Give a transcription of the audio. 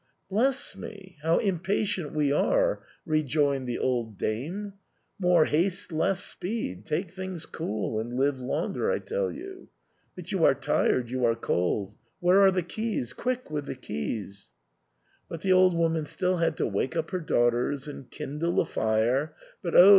" Bless me, how impatient we are," rejoined the old dame ;" Chi va piano va sanOy chi va presto more lesto (more haste less speed, take things cool and live longer), I tellyou. But you are tired, you are cold ; where are the keys ? quick with the keys !" But the old woman still had to wake up her daugh ters and kindle a fire — but oh